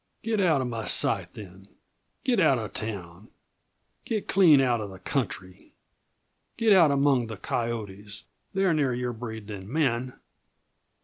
"Get out uh my sight, then! Get out uh town! Get clean out uh the country! Get out among the coyotes they're nearer your breed than men!"